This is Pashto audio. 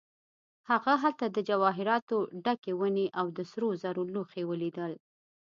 هغه هلته د جواهراتو ډکې ونې او د سرو زرو لوښي ولیدل.